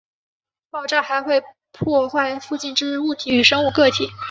爆炸还会破坏附近之物体与生物个体。